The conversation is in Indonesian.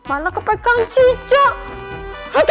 aku mau pergi dulu